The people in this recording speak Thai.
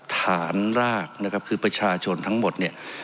ฐานรากคือประชาชนทั้งหมด